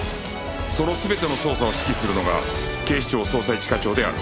その全ての捜査を指揮するのが警視庁捜査一課長である